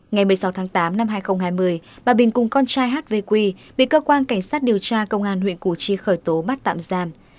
ngày một mươi sáu tháng tám năm hai nghìn hai mươi bà bình cùng con trai hv bị cơ quan cảnh sát điều tra công an huyện củ chi khởi tố bắt tạm giam